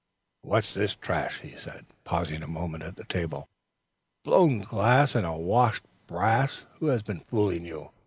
"What, this trash?" said he, pausing a moment at the table "blown glass and washed brass! Who has been fooling you?"